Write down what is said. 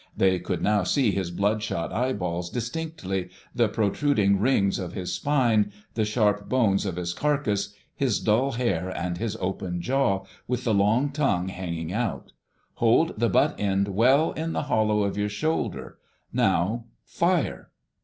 They could now see his bloodshot eyeballs distinctly, the protruding rings of his spine, the sharp bones of his carcass, his dull hair and his open jaw, with the long tongue hanging out. 'Hold the butt end well in the hollow of your shoulder. Now fire.'